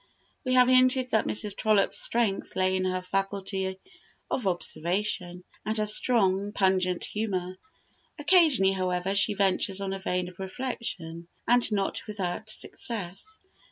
We have hinted that Mrs. Trollope's strength lay in her faculty of observation, and her strong, pungent humour. Occasionally, however, she ventures on a vein of reflection, and not without success.